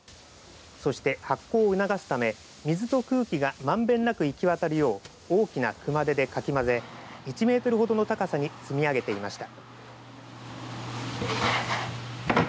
そして発酵を促すため水と空気がまんべんなく行き渡るよう大きな熊手でかき混ぜ１メートルほどの高さに積み上げていました。